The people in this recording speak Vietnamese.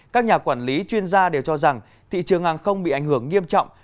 các nhà quản lý chuyên gia đều cho rằng thị trường hàng không bị ảnh hưởng nghiêm trọng